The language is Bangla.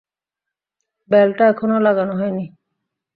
বেলটা এখনো লাগানো হয় নি।